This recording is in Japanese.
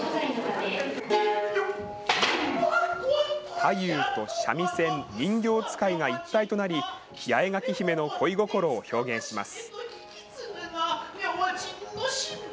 太夫と三味線、人形遣いが一体となり、八重垣姫の恋心を表現します。